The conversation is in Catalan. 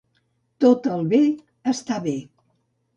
Tot el bé està bé.